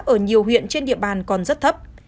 ở nhiều huyện trên địa bàn còn rất thấp